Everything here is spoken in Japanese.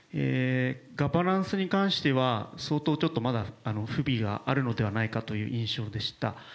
ガバナンスに関しては、まだ相当不備があるのではないかという印象でした。